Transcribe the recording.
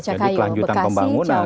jadi kelanjutan pembangunan